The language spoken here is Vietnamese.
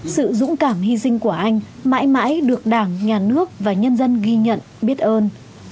sự dũng cảm hy sinh của anh mãi mãi được đảng nhà nước và nhân dân ghi nhận biết ơn